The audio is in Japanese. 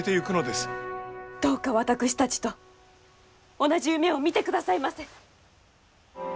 どうか私たちと同じ夢を見てくださいませ。